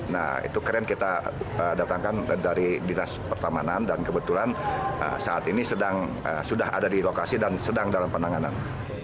nah itu keren kita datangkan dari dinas pertamanan dan kebetulan saat ini sudah ada di lokasi dan sedang dalam penanganan